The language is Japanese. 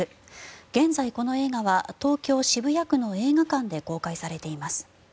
現在、この映画は東京・渋谷区の映画館で公開されています。